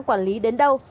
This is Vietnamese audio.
quản lý đến đâu